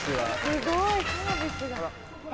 すごいサービスが。